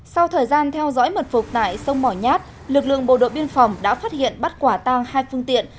sau thời gian theo dõi mật phục tại sông mỏ nhát lực lượng bộ đội biên phòng đã phát hiện bắt quả tang hai phương tiện